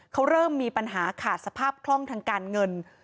เขาเริ่มมีปัญหาขาดสภาพคล่องทางการเงิน